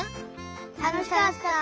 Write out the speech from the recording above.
たのしかった！